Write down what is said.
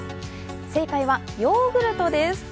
正解はヨーグルトです。